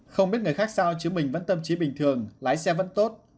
không biết người khác sao chứ mình vẫn tâm trí bình thường lái xe vẫn tốt